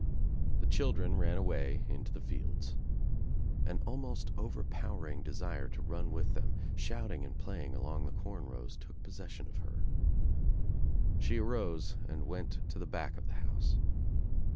The children ran away into the fields. An almost overpowering desire to run with them, shouting and playing along the corn rows took possession of her. She arose and went to the back of the house.